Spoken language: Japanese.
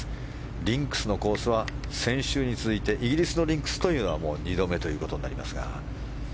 リンクスのコースは先週に続いてイギリスのリンクスというのは２度目ということになりますが。